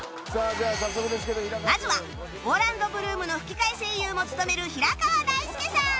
まずはオーランド・ブルームの吹き替え声優も務める平川大輔さん